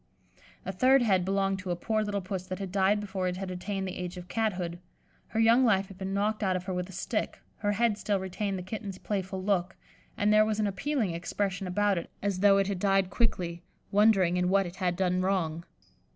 A third head belonged to a poor little Puss that had died before it had attained the age of cathood; her young life had been knocked out of her with a stick: her head still retained the kitten's playful look, and there was an appealing expression about it as though it had died quickly, wondering in what it had done wrong.